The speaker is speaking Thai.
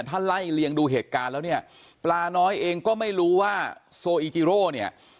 ถ้าไล่เลียงดูเหตุการณ์แล้วเนี่ยปลาน้อยเองก็ไม่รู้ว่าโซอีจิโร่เนี่ย